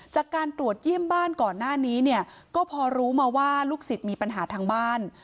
จากการตรวจเยี่ยมบ้านก่อนหน้านี้เนี่ยก็พอรู้มาว่าลูกศิษย์มีปัญหาทางบ้าน